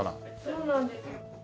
そうなんですよ。